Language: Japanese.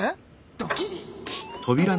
ドキリ。